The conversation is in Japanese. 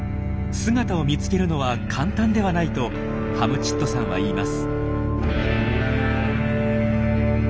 姿を見つけるのは簡単ではないとハムチットさんは言います。